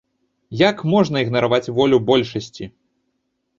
Як можна ігнараваць волю большасці!